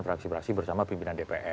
fraksi fraksi bersama pimpinan dpr